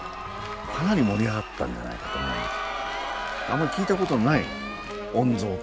かなり盛り上がったんじゃないかと思うんです。